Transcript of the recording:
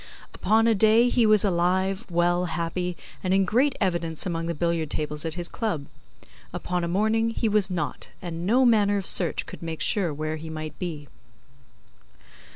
Upon a day he was alive, well, happy, and in great evidence among the billiard tables at his Club. Upon a morning, he was not, and no manner of search could make sure where he might be.